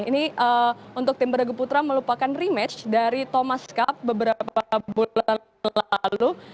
ini untuk tim beragu putra melupakan rematch dari thomas cup beberapa bulan lalu